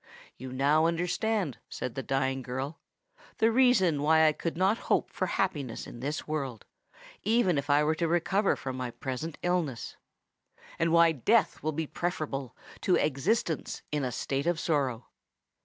"You now understand," said the dying girl, "the reason why I could not hope for happiness in this world, even if I were to recover from my present illness,—and why death will be preferable to existence in a state of sorrow.